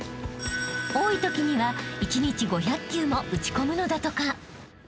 ［多いときには一日５００球も打ち込むのだとか］